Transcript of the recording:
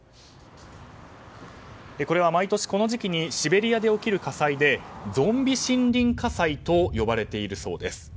これは毎年この時期にシベリアで起きる火災でゾンビ森林火災と呼ばれているそうです。